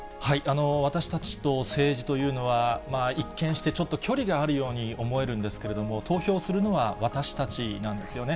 私たちと政治というのは、一見してちょっと距離があるように思えるんですけれども、投票するのは私たちなんですよね。